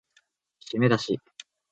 しめだし